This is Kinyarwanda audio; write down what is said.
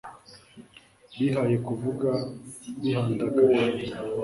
bihaye kuvuga bihandagaje